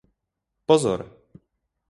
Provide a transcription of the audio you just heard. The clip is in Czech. Pozor.